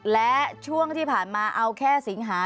และช่วงที่ผ่านมาเอาแค่สิงหา